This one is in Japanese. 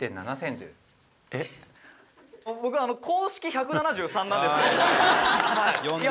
「僕公式１７３なんですけど」